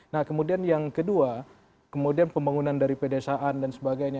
nah kemudian yang kedua kemudian pembangunan dari pedesaan dan sebagainya